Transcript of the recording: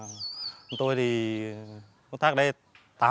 nói chung là con tôi thì công tác ở đây tám chín năm rồi